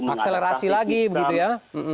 akselerasi lagi begitu ya